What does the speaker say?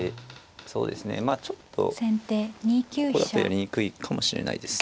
そうですねまあちょっとここだとやりにくいかもしれないです。